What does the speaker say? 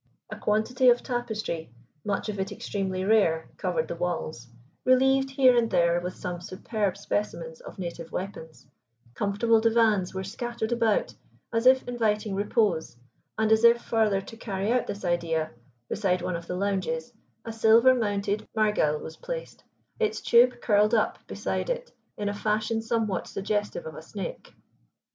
A quantity of tapestry, much of it extremely rare, covered the walls, relieved here and there with some superb specimens of native weapons; comfortable divans were scattered about, as if inviting repose, and as if further to carry out this idea, beside one of the lounges, a silver mounted marghyle was placed, its tube curled up beside it in a fashion somewhat suggestive of a snake.